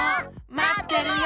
まってるよ！